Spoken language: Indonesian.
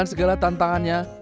dan setelah itu dia membuat diorama